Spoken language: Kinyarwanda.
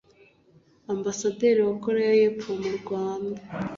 Ambasaderi wa Koreya y’Epfo mu Rwanda